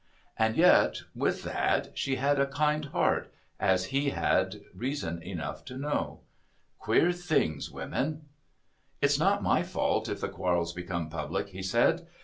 And yet with that she had a kind heart, as he had had reason often enough to know. Queer things, women! "It's not my fault if the quarrel's become public," he said.